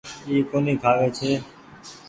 اي ڪونيٚ کآوي ڇي۔